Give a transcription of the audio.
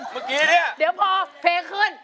เมื่อกี้เนี่ยเดี๋ยวพอเพลงขึ้น